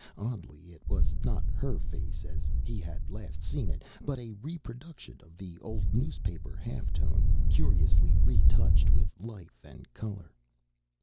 Oddly, it was not her face as he had last seen it, but a reproduction of the old newspaper half tone, curiously retouched with life and color.